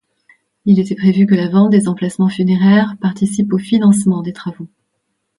Il était prévu que la vente des emplacements funéraire participe au financement des travaux.